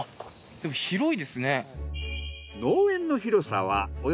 でも広いですね。